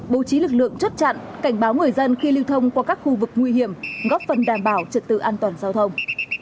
bố trí lực lượng chốt chặn cảnh báo người dân khi lưu thông qua các khu vực nguy hiểm góp phần đảm bảo trật tự an toàn giao thông